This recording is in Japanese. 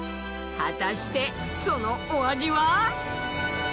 果たしてそのお味は？